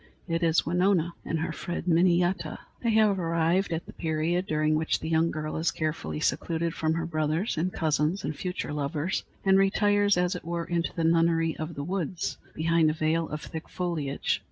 It is Winona and her friend Miniyata. They have arrived at the period during which the young girl is carefully secluded from her brothers and cousins and future lovers, and retires, as it were, into the nunnery of the woods, behind a veil of thick foliage.